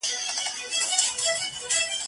له خوار مجنونه پټه ده لیلا په کرنتین کي